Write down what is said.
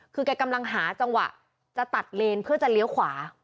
คือแกกำลังหาจังหวะจะตัดเลนเพื่อจะเลี้ยวขวา